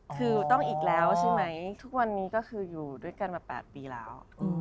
คือต้องอีกแล้วใช่ไหมทุกวันนี้ก็คืออยู่ด้วยกันมา๘ปีแล้ว